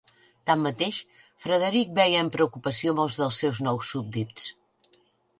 Tanmateix, Frederic veia amb preocupació a molts dels seus nous súbdits.